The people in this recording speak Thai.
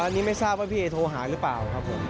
อันนี้ไม่ทราบว่าพี่เอโทรหาหรือเปล่าครับผม